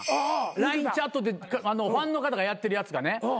ラインチャットってファンの方がやってるやつがね。